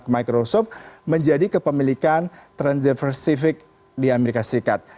menjadi kepemilikan transversifik di amerika serikat